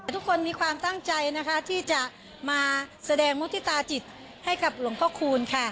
ทุกคนมีความตั้งใจนะคะที่จะมาแสดงมุฒิตาจิตให้กับหลวงพ่อคูณค่ะ